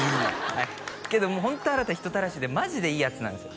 はいけどもうホント新太人たらしでマジでいいヤツなんですよ